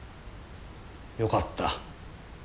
よかった。